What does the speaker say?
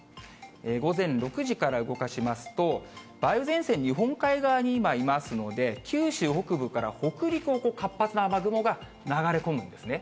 午前６時から動かしますと、梅雨前線、日本海側に今いますので、九州北部から北陸を活発な雨雲が流れ込むんですね。